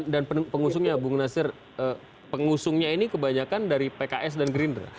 pengusungnya bung nasir pengusungnya ini kebanyakan dari pks dan gerindra